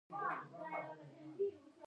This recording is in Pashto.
د انصاف لپاره وجدان اړین دی